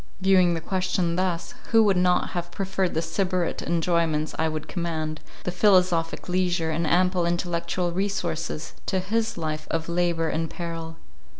—Viewing the question thus, who would not have preferred the Sybarite enjoyments I could command, the philosophic leisure, and ample intellectual resources, to his life of labour and peril?